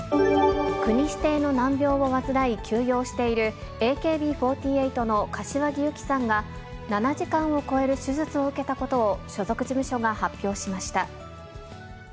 国指定の難病を患い休養しているＡＫＢ４８の柏木由紀さんが、７時間を超える手術を受けたことを所属事務所が発表しました。